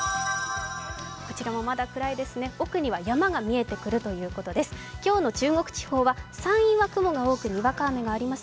こちらもまだ暗いですね、奥には山が見えてくるということです。